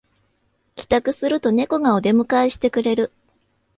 帰宅するとネコがお出迎えしてくれる